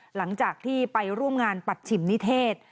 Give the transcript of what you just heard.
หลังจากที่ไปร่วมงานปัจฉิมนิเทศ